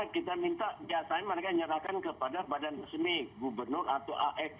kita minta biasanya mereka menyerahkan kepada badan resmi gubernur atau afp